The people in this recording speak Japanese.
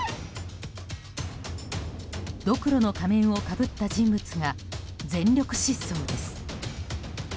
どくろの仮面を被った人物が全力疾走です。